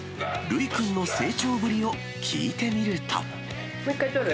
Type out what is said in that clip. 留一君の成長ぶりを聞いてみると。